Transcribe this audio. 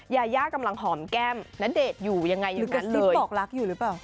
ยาย่ากำลังหอมแก้มณเดชน์อยู่อย่างไรอย่างนั้นเลยหรือก็สลิปบอกรักอยู่หรือเปล่า